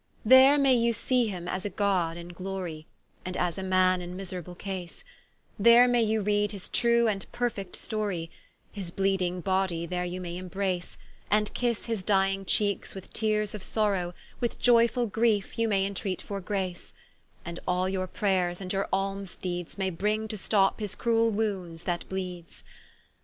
There may you see him as a God in glory, And as a man in miserable case; There may you reade his true and perfect storie, His bleeding body there you may embrace, And kisse his dying cheekes with teares of sorrow, With ioyfull griefe, you may intreat for grace; And all your prayers, and your almes deeds May bring to stop his cruell wounds that bleeds.